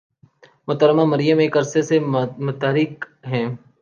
محترمہ مریم ایک عرصہ سے متحرک ہیں۔